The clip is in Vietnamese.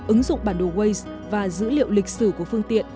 ứng dụng bản đồ waze và dữ liệu lịch sử của phương tiện